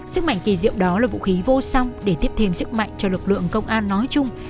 sức mạnh kỳ diệu đó là vũ khí vô song để tiếp thêm sức mạnh cho lực lượng công an nói chung